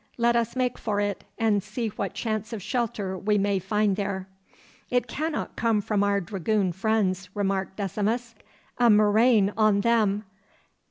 'Let us make for it, and see what chance of shelter we may find there.' 'It cannot come from our dragoon friends,' remarked Decimus. 'A murrain on them!